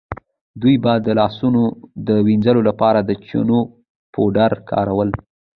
دوی به د لاسونو د وینځلو لپاره د چنو پاوډر کارول.